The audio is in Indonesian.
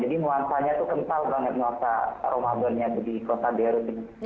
nuansanya tuh kental banget nuansa ramadannya di kota beirut